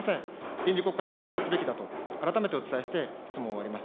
臨時国会を開会すべきだと改めてお伝えして、質問を終わります。